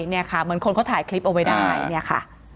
เหมือนคนเขาถ่ายคลิปเอาไว้ด้านไหน